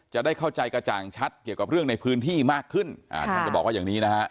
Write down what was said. จะได้เข้าใจกระจ่างชัดเกี่ยวกับเรื่องในพื้นที่มากขึ้นท่านจะบอกว่าอย่างนี้นะฮะ